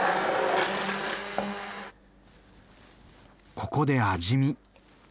ここで味見。